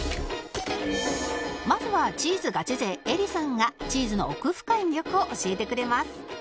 まずはチーズガチ勢エリさんがチーズの奥深い魅力を教えてくれます